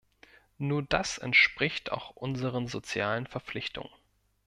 Nur das entspricht auch unseren sozialen Verpflichtungen.